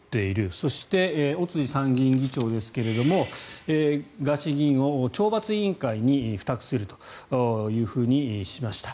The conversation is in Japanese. そして、尾辻参議院議長ですがガーシー議員を懲罰委員会に付託するというふうにしました。